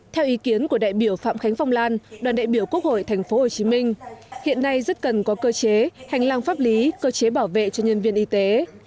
theo ý kiến của đại biểu phạm khánh phong lan đoàn đại biểu quốc hội tp hcm hiện nay rất cần có cơ chế hành lang pháp lý cơ chế bảo vệ cho nhân viên y tế